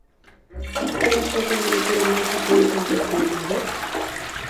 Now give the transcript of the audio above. Ten a súa candidatura máis apoios entre o plenario?